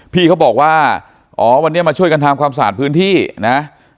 พี่เขาบอกว่าอ๋อวันนี้มาช่วยกันทำความสะอาดพื้นที่นะ